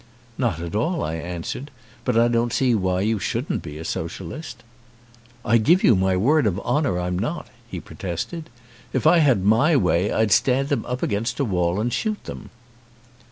"Not at all," I answered, "but I don't see why you shouldn't be a socialist." "I give you my word of honour I'm not," he protested. "If I had my way I'd stand them up against a wall and shoot them."